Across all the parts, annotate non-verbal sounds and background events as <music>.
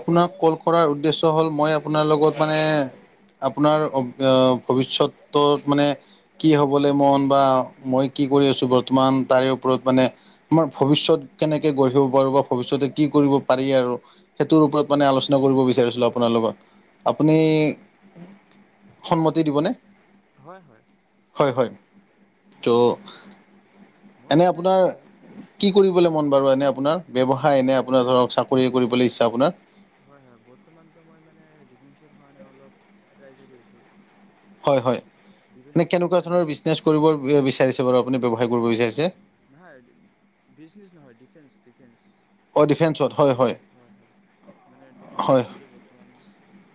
আপোনাক কল কৰাৰ উদ্দেশ্য হ'ল মই আপোনাৰ লগত মানে আপোনাৰ ভৱিষ্যতটো মানে কি হবলৈ মন বা মই কি কৰি আছো বৰ্তমান তাৰে ওপৰত মানে আমাৰ উম উম ভৱিষ্যত কেনেকে গঢ়িব পাৰো বা ভৱিষ্যতে কি কৰিব পাৰি আৰু সেইটোৰ হয় ওপৰত হয় মানে আলোচনা বিচাৰিছিলোঁ আপোনাৰ লগত, আপুনি হয় হয় সন্মতি দিবনে? হয় হয় হয়-হয়, তো উম মোৰ এনে মানে আপোনাৰ ভব কি উম কৰিবলে মন বাৰু এনে আপোনাৰ? ব্যৱসায় মোৰ এনে আপোনাৰ ধৰক কৰিবলে ইচ্ছা আপোনাৰ? হয়-হয় বৰ্তমান তোমাৰ মানে ডিফেন্স ৰ কাৰনে অলপ ট্ৰাই কৰি আছোঁ। হয়-হয় এনেই ডিফেন্সত যাৰ কেনেকুৱা মানে ধৰণৰ বহুত বিজনেছ মন কৰিব বি বিচাৰিছে বাৰু আপুনি ব্যৱসায় কৰিব বিচাৰিছে? নহয় বিজনেচ নহয় ডিফেন্স-ডিফেন্স। অ ডিফেন্সত হয় হয় হয়-হয় মানে ডিফেন্সত হয় যাবলে বৰ্তমান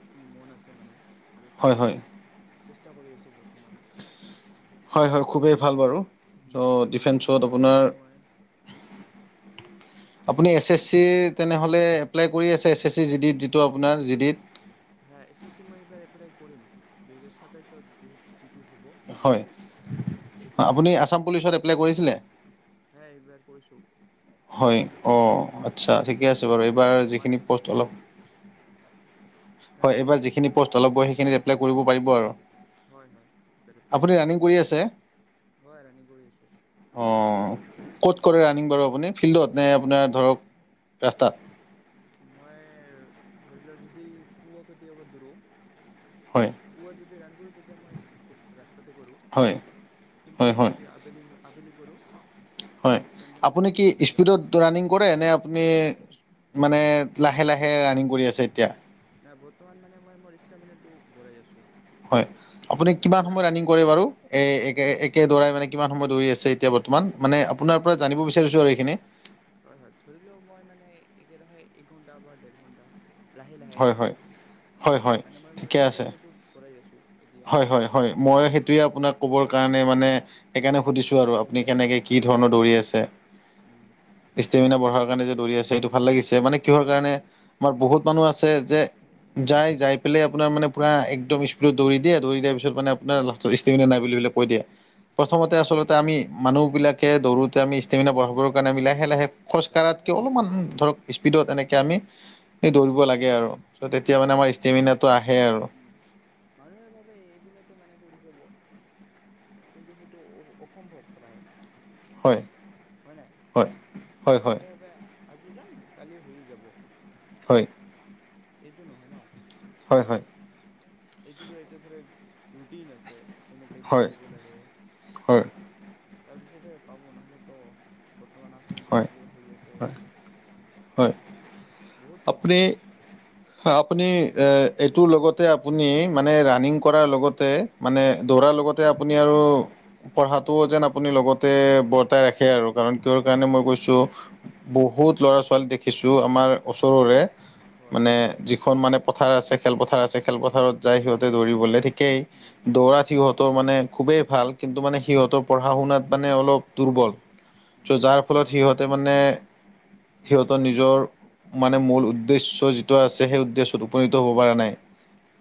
কি মন আছে মানে আৰু হয় তাৰে হয় চেষ্টা কৰি আছো বৰ্তমান। হয়-হয় খুবেই ভাল বাৰু উম, ত' কাৰণ ডিফেন্সত পুৱাউঠি আপোনাৰ, মানে মই <unintelligible> আপুনি এছ এছ চি তেনেহ'লে এপ্লাই কৰি আছে এছ এছ চি জি ডিত যিটো আপোনাৰ জি ডিত। এ এছ চি মই এইবাৰ এপ্লাই কৰিম দুহেজাৰ সাতাইশত যি যিটো হ'ব। হয়, এক্সাম এইটোত আপুনি আছাম পুলিচত এপ্লাই কৰিছিলে? হয়, এইবাৰ কৰিছো। হয় অ, আচ্ছা, ঠিকে আছে এতিয়াতো বাৰু মানে এইবাৰ হোৱা যিখিনি নাই প'ষ্ট অলপ হয়, ৰাণটো এইবাৰ এতিয়া হোৱা যিখিনি নাই না পোষ্ট ওলাব সেইখিনত এপ্লাই কৰিব পাৰিব আৰু। হয় হয় এইবাৰ এপ্লাই আপুনি কৰিম ৰানিং কৰি আছে? হয় ৰানিং কৰি আছোঁ অ', ক'ত কৰে ৰা আনিম বাৰু আপুনি ফিল্ডত নে আপোনাৰ ধৰক ৰাস্তাত? মই ধৰি লোৱা যদি পো <unintelligible> কেতিয়াবা ধৰোঁ হয়। পুৱা যদি <unintelligible> কৰোঁ, তেতিয়া মই ৰাস্তাতে কৰোঁ। হয় কিন্তু হয় হয় যদি আ আবেলি, আবেলি কৰোঁ তেন্তে মানে ফিল্ডতে যাওঁ। তো ৰানিং কৰেনে আপুনি মানে লাহে, লাহে ৰানিং কৰি আছে এতিয়া? নাই বৰ্তমান মানে মই মোৰ ইচ্ছা মানেটো পৰাই আছোঁ। হয়, আপুনি কিমান লাহে সময় লাহে ৰানিং কৰে বাৰু? এই একে, একে দৌৰাই মানে কিমান সময় দৌৰি আছে এতিয়া বৰ্তমান, মানে একেদৰে আপোনাৰ পৰা জানিব বিচাৰিছোঁ আৰু এইখিনি? হয়, হয় ধৰি লওঁ মই মানে একেৰাহে এক ঘন্টা বা দেৰ ঘন্টা। লাহে, লাহে হয় হয় কিন্তু। হয় হয় মানে মই মোৰ ঠিকে আছে ষ্টেমিনাটো বঢ়াই আছোঁ এতিয়া। হয় হয় হয়, মই সেইটোৱে আপোনাক ক'বৰ কাৰণে মানে সেইকাৰণে সুধিছোঁ আৰু আপুনি তেতিয়া কেনেকে কি দৌৰাব ধৰণৰ দৌৰি পাৰিম আছে। উম ষ্টেমিনা বঢ়াৰ কাৰণে যে দৌৰি আছে সেইটো ভাল লাগিছে, মানে হয় কিহৰ কাৰণে আমাৰ বহুত মানুহ আছে যে যায়, যাই পেলাই আপোনাৰ মানে পূৰা একদম স্পীড দৌৰি দিয়ে, দৌৰি দিয়াৰ পিছত মানে আপোনাৰ লাষ্টত ষ্টেমিনা নাই হয় বুলি হয় কৈ দিয়ে, হয় প্ৰথমতে আচলতে আমি মানুহবিলাকে দৌোতে আমি ষ্টেমিনা বঢ়াবৰ কাৰণে আমি লাহে, লাহে লাহে খোজকাঢ়াতকে লাহে দৌৰিব অলপমান লাগে হয় ধৰক স্পীডত এনেকে আমি উম দৌৰিব লাগে আৰু। ত' তেতিয়া মানে আমাৰ ষ্টেমিনাটো আহে আৰু। উম, মানুহে ভাবে এদিনতে মানে কৰি যাব। কিন্তু সেইটো অ-অসম্ভৱ প্ৰায়। হয় হয় নাই, হয় হয় মানুহ ভাবে আজি যাম, কালি হৈয়ে যাব। হয়। এইটো নহয় ন! হয়, হয়। এইটোত ধৰ এতিয়া ধৰা ৰুটিন আছে, কেনেকৈ হয় দৌৰিব লাগে! হয় তাৰপিছতে পাব, নহ'লেতো বৰ্তমান আছাম পুলিছ হয় যে হৈ আছে হয় হয়, বহুত কঠিন আপনি হয়, উম, আপুনি এ এইটোৰ লগতে আপুনি মানে ৰানিং উম, কৰাৰ লগতে মানে দৌৰাৰ লগতে আপুনি আৰু পঢ়াটোও যেন আপুনি লগতে বৰ্তাই ৰাখে আৰু কাৰণ কিয় কাৰণে মই কৈছোঁ বহুত ল'ৰা ছোৱালী দেখিছোঁ আমাৰ ওচৰৰে হয় মানে হয় যিখন মানে পথাৰ আছে খেলপথাৰ আছে, খেলপথাৰত উম যাই সিহঁতে দৌৰিবলে ঠিকেই। উম দৌৰাত সিহঁতৰ মানে খুবেই ভাল কিন্তু মানে হয় সিহঁতৰ পঢ়া শুনাত মানে অলপ দুৰ্বল! উম চ' যাৰ ফলত হয় সিহঁতে হয় মানে সিহঁতৰ নিজৰ মানে মূল উদ্দেশ্য যিটো আছে সেই উদ্দেশ্যত উপনীত হ'ব পৰা নাই।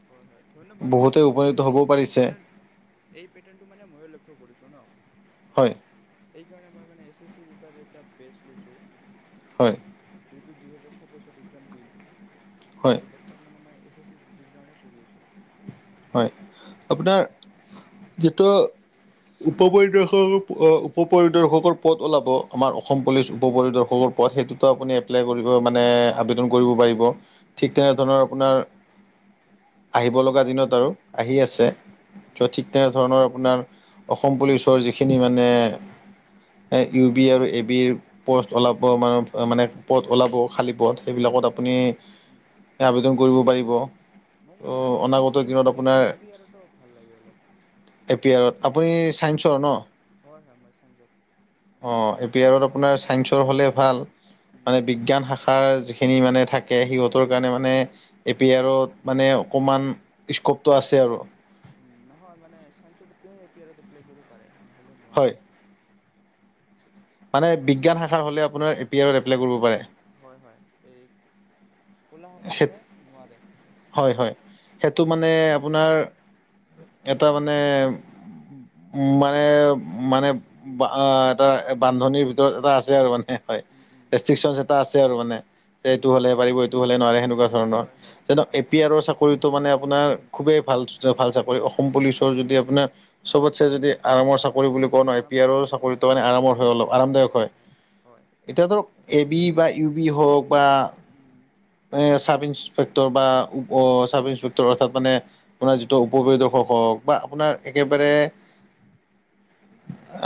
হয়, হয়, ধন্যবাদ বহুতে আপুনি মানে উপনীত এই, হ'বও এই পে পাৰিছে এই পেটাৰ্ণটো মানে ময়ো লক্ষ্য কৰিছোঁ ন! হয়। এইকাৰণে মই মানে এছ এছ চি এটা বেচ লৈছোঁ হয় টো দুইহেজাৰ সাতাইছত একজাম দিম। হয়। তো বৰ্তমান মানে মই এছ এছ চি <unintelligible> কাৰণে পঢ়ি আছোঁ হয়, আপোনাৰ যিটো উপ পৰিদৰ্শক, উপ পৰিদৰ্শকৰ পদ ওলাব আমাৰ অসম পুলিচ উপ পৰিদৰ্শকৰ পদ সেইটোতো আপুনি এপ্লাই কৰিব মানে আবেদন কৰিব পাৰিব। ঠিক হয় হয় তেনেধৰণৰ আপোনাৰ আহিব লগা দিনত আৰু আহি উম আছে। চ' উম ঠিক তেনেধৰণৰ আপোনাৰ অসম পুলিচৰ যিখিনি মানে ইউ বি আৰু এ বিৰ পথ ওলাব মান-মানে উম উম পথ ওলাব খালী পথ। সেইবিলাকত উম আপুনি উম উম। আবেদন কৰিব পাৰিব। মোক মানে ত' আসাম অনাগত পুলিচৰ দিনত আপোনাৰ এ পি আৰটো ভাল লাগে অলপ। এ পি আৰত আপুনি ছাইন্সৰ ন'। হয়, হয়, মই ছাইন্সৰ। অহ, এ পি আৰত আপোনাৰ চাইন্সৰ হ'লে ভাল, উম মানে বিজ্ঞান শাখা। তাৰ যিখিনি মানে থাকে সিহঁতৰ কাৰণে উম মানে এ পি আৰত মানে অকণমান স্কোপটো আছে আৰু। উম, নহয় মানে ছাইন্সৰ হ'লে এ পি আৰত এপ্লাই কৰিব পাৰে নহ'লে হয় নোৱাৰে। মানে বিজ্ঞান শাখাৰ হ'লে আপোনাৰ এ পি আৰ এপ্লাই কৰিব পাৰে। হয়, হয়। এই ক'লা শাখাৰ সেইটো হ'লে নোৱাৰে হয়, হয়। সেইটো হয় মানে আপোনাৰ এটা মানে, মানে-মানে বা এটা চান্স আৰু বান্ধনিৰ ভিতৰত এটা আছে আৰু মানে হয়। উম উম ৰেষ্ট্ৰিকচন এটা আছে আৰু মানে সেইটো উম হ'লেহে পাৰিব। এইটো হ'লে নোৱাৰে, সেনেকুৱা ধৰণৰ হয় হয় কিন্তু এ আছে পি আছে আৰৰ চাকৰিটো মানে আপোনাৰ খুবেই ভাল-ভাল চাকৰি। অসম পুলিচৰ যদি আপোনাৰ অ চবতচাই যদি আৰামৰ চাকৰি বুলি কোৱা নহয়, পি আৰামৰ আৰৰ চাকৰি হয় চাকৰিটো মানে আৰামৰ হয় অলপ আৰামদায়ক হয়। হয়, হয়। এতিয়া ধৰক এবি বা ইউ বি হওঁক বা উম। এ চাব ইনসপেক্টৰ বা ওপৰ চাব ইনসপেক্টৰ অৰ্থাৎ মানে আপোনাৰ উপপৰিদৰ্শক হওঁক বা হয় আপোনাৰ একেবাৰে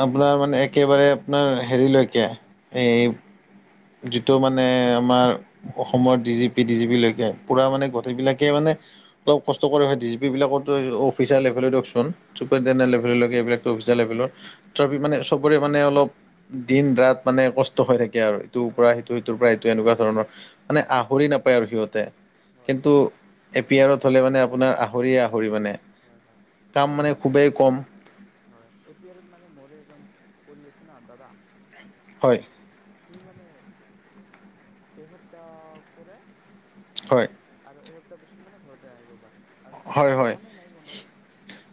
আপোনাৰ মানে একেবাৰে আপোনাৰ হেৰিলৈকে এই যিটো মানে আমাৰ অসমৰ D G P, D G P লৈকে। পুৰা মানে উম গোটেইবিলিলাকে মানে অলপ কষ্ট কৰে হয়। ডি জি পিবিলাক অফিচাৰ লেভেলৰ দিয়কচোন। চুপাৰ দেনাৰ হয় লেভেলৰ হয় লৈকে এইবিলাক লেভেলৰ তাথাপি উম মানে চবৰে মানে অলপ দিন-ৰাত মানে কষ্ট হৈ থাকে আৰু। ইটোৰ হয় পৰা হয় সিটো, সিটোৰ আছে পৰা এইটো কষ্ট এনেকুৱা আছে ধৰণৰ, মানে আহৰি নাপায় আৰু সিহঁতে। হয় কিন্তু এ পি আৰত হ'লে মানে আপোনাৰ আহৰিয়ে-আহৰি মানে হয় হয় কাম মোৰে মানে খুবেই কম। হয় এ পি আৰত মানে, মোৰ এজন কৰি আছে না দাদা। হয়। সি মানে এসপ্তাহ কৰে হয়। আৰু এসপ্তাহ পিছত মানে ঘৰতে আহিব পাৰে। কাৰণ হয়, হয়। কামেই নাই কোনো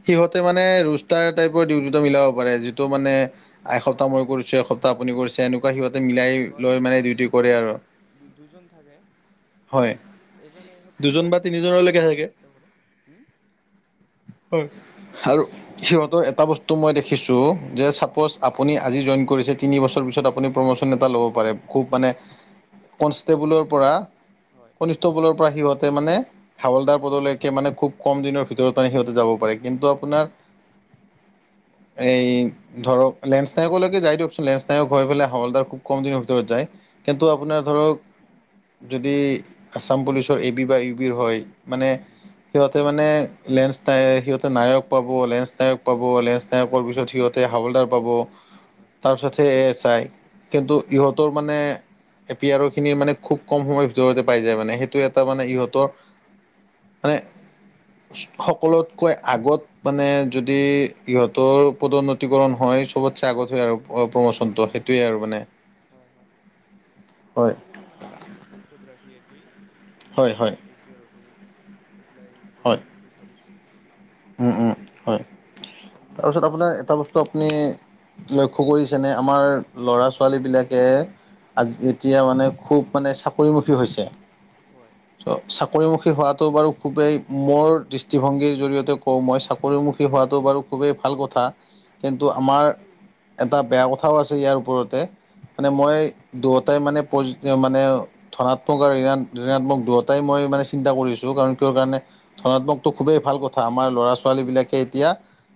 সিহঁতে মানে ৰোষ্টাৰ টাইপৰ ডিউটিতো মিলাব পাৰে যিটো মানে এসপ্তাহ হয় মই হয় কৰিছোঁ, এসপ্তাহ আপুনি কৰিছে এনে হয়, হয়, মানে আৰু দুজন থাকে। হয় এজনে এসপ্তাহ দুজন কৰে বা আৰু আনজনে তিনিজনলৈকে থাকে আৰু-আৰু এসপ্তাহ কৰে, উম। হয়। আৰু সিহঁতৰ এটা বস্তু মই দেখিছোঁ যে হুম আপুনি আজি জইন কৰিছে তিনি বছৰ পিছত আপুনি প্ৰম'চন এটা ল'ব পাৰে। খুব মানে কনষ্টেবোলৰ পৰা হয়। ইটো পদৰ পৰা সিহঁতে মানে হাৱালদাৰ পদলৈকে মানে খুব কম দিনৰ ভিতৰত মানে সিহঁতে যাব পাৰে। কিন্তু হয় আপোনাৰ হয় এই ধৰক লেস্নায়কলৈকে যায় দিয়কচোন লেস্নায়ক হৈ পেলাই হলদাৰ খুব কম দিনৰ ভিতৰত যায়। কিন্তু উম উম আপোনাৰ ধৰক, যদি আছাম পুলিচৰ এ বি বা ইউ বি ৰ হয়। মানে উম সিহঁতে মানে লেন্সাই, সিহঁতে নায়ক পাব, লেন্স নায়ক পাব, লেন্স নায়ক পোৱাৰ পিছত সিহঁতে হাৱলদাৰ পাব। হয় তাৰপিছতহে এছ আই কিন্তু ইহঁতৰ মানে এপিয়াৰখিনি মানে খুব কম সময়ৰ ভিতৰতে পাই যায়, মানে সেইটো এটা মানে ইহঁতৰ মানে সকলোতকৈ আগত মানে যদি ইহঁতৰ পদোন্নতিকৰণ হয় চবতচে আগত হয় আৰু প্ৰমোচনটো, সেই সেইটোৱেই আৰু মানে। হয়। হয় হয় এইবিলাকে মানে লক্ষ্যত ৰাখি একেই মই হয় মানে হয় এ পি আৰটো এপ্লাই হয় কৰিম বুলি ভাবিছোঁ। উম, উম, হয়, আৰু যিহেতু তাৰপিছত আপোনাৰ ছাইন্সৰ এটা মই বস্তু আপুনি লক্ষ্য কৰিছেনে আমাৰ ল'ৰা ছোৱালীবিলাকে আজ এতিয়া মানে খুব মানে চাকৰিমুখী হৈছে। হয়। ত' চাকৰিমুখী হোৱাটো বাৰু খুবেই মোৰ দৃষ্টিভংগীৰ জৰিয়তে কও মই চাকৰিমুখী হোৱাটো বাৰু খুবেই ভাল কথা। কিন্তু আমাৰ কিন্তু এটা হয় বেয়া কথাও আছে ইয়াৰ ওপৰতে মানে হয় মই দুয়টাই মানে প মানে ধনাত্মক আৰু ঋণ-ঋণাত্মক দুয়োটাই মই মানে চিন্তা কৰি আছোঁ কাৰণ কাৰণে ধনাত্মকটো খুবেই ভাল কথা, আমাৰ ল'ৰা ছোৱালীবিলাকে এতিয়া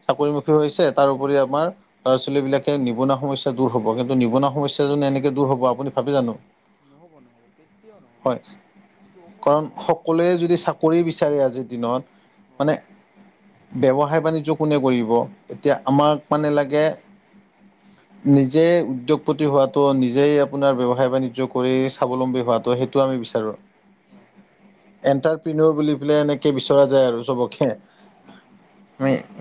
চাকৰিমুখী হৈছে তাৰোপৰি আমাৰ ল'ৰা ছোৱালীবিলাকে নিবনুৱা সমস্যা দূৰ হ'ব কিন্তু নিবনুৱা সমস্যা জনে এনেকে দূৰ হ'ব আপুনি ভাবে জানো? নহ'ব নহ'ব কেতিয়াও নহ'ব, হয় এইটো কাৰণ অসম্ভৱ। সকলোৱে যদি চাকৰি বিচাৰে আজিৰ দিনত মানে হয়। ব্যৱসায় বাণিজ্য কোনে কৰিব, এতিয়া উইটাই আমাক মানে লাগে নিজেই উদ্যোগপতি হোৱাটো, নিজেই আপোনাৰ ব্যৱসায় বাণিজ্য কৰি স্বাৱলম্বী হোৱাটো সেই টো আমি বিচাৰো। হয় হয়। এণ্টাৰপ্ৰিনৰ বুলি পেলাই এনেকৈ বিচৰা যায় আৰু চবকে। উম, উম।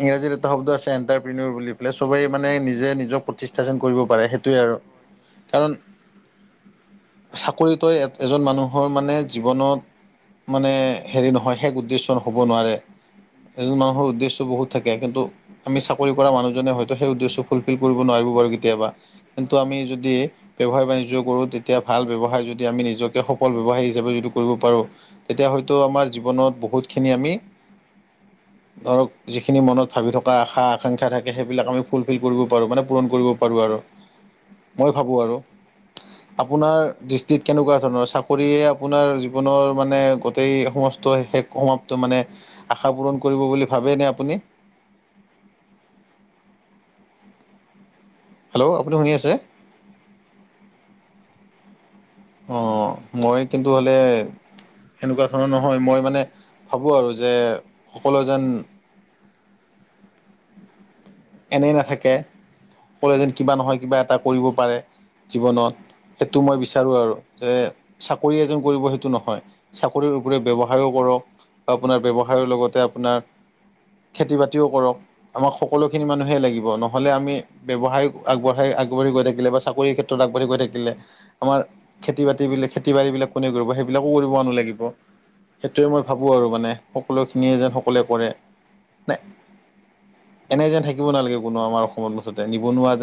ইংৰাজী এটা শব্দ আছে এণ্টাৰপ্ৰৰ বুলি পেলাই, চবে মানে নিজে নিজক প্ৰতিষ্ঠা চন কৰিব পাৰে সেই টোৱেই আৰু হয় হয় কাৰণ চাকৰিত এ, এজন মানুহৰ মানে জীৱনত মানে হেৰি নহয় শেষ উদ্দেশ্য হ'ব নোৱাৰে, উম এজন মানুহৰ উদ্দেশ্য বহুত থাকে কিন্তু আমি চাকৰি কৰা মানুহজনে হয়তো সেই উদ্দেশ্য ফুলফিল কৰিব নোৱাৰিব পাৰোঁ কেতিয়াবা। কিন্তু হয় হয় আমি যদি নোৱাৰিব ব্যৱসায় বাণিজ্য কৰোঁ, তেতিয়া ভাল ব্যৱসায় যদি আমি নিজকে সফল ব্যৱসায় হিচাপে যদি কৰিব পাৰোঁ তেতিয়া হয়তো আমাৰ জীৱনত বহুতখিনি আমি ধৰক যিখিনি মনত ভাবি থকা আশা আকাংক্ষা থাকে সেইবিলাক আমি ফুলফিল কৰিব পাৰোঁ মানে পূৰণ কৰিব পাৰোঁ আৰু, মই ভাবোঁ আৰু। আপোনাৰ দৃষ্টিত কেনেকুৱা ধৰণৰ, চাকৰিয়ে আপোনাৰ জীৱনৰ মানে গোটেই সম শেষ সমাপ্ত মানে আশা পূৰণ কৰিব বুলি ভাবে নে আপুনি? হেল্ল' আপুনি শুনি আছে? অ' মই কিন্তু হ'লে এনেকুৱা ধৰণৰ নহয়, মই মানে ভাবোঁ আৰু যে উম সকলো যেন এনেই নাথাকে, সকলোৱে যেন কিবা নহয় কিবা এটা কৰিব পাৰে জীৱনত। সেইটো মই বিচাৰোঁ আৰু যে চাকৰিয়ে যেন কৰিব সেইটো নহয়। চাকৰিৰ উপৰি ব্যৱসায়ো কৰক বা আপোনাৰ ব্যৱসায়ৰ লগতে আপোনাৰ খেতি বাতিও কৰক, আমাক সকলোখিনি মানুহে লাগিব নহ'লে আমি ব্যৱসায় আগবঢ়াই আগবাঢ়ি গৈ থাকিলে বা চাকৰিৰ ক্ষেত্ৰত আগবাঢ়ি গৈ থাকিলে আমাৰ খেতি বাতি বিলাক, খেতি বাৰি বিলাক কোনে কৰিব সেইবিলাকো কৰিব লাগিব। সেইটোৱে মই ভাবো আৰু মানে, সকলোখিনিয়ে যেন সকলোৱে কৰে ন এনে যেন থাকিব নালাগে কোনো আমাৰ অসমত, মুঠতে নিবনুৱা যেন